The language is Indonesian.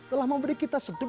ketika belajar berkata kata itu